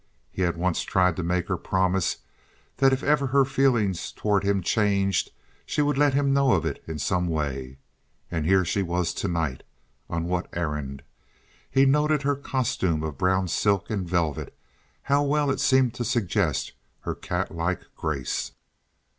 He had once tried to make her promise that if ever her feeling toward him changed she would let him know of it in some way. And here she was to night—on what errand? He noted her costume of brown silk and velvet—how well it seemed to suggest her cat like grace!